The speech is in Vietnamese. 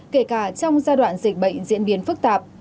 kể cả trong giai đoạn dịch bệnh diễn biến phức tạp